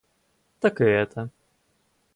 Так и это.